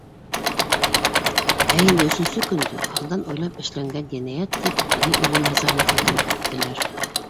Ә инде өсөнсө көндө «алдан уйлап эшләнгән енәйәт», тип, мине үлем язаһына хөкөм иттеләр.